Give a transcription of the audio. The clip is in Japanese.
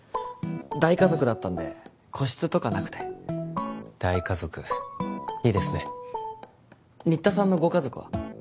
大家族だったんで個室とかなくて大家族いいですね新田さんのご家族は？